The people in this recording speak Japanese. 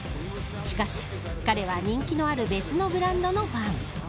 しかし、彼は人気のある別のブランドのファン。